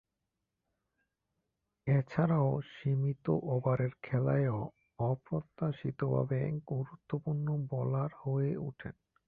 এছাড়াও, সীমিত ওভারের খেলায়ও অপ্রত্যাশিতভাবে গুরুত্বপূর্ণ বোলার হয়ে উঠেন।